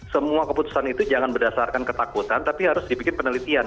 semua keputusan itu jangan berdasarkan ketakutan tapi harus dibikin penelitian